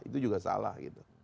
itu juga salah gitu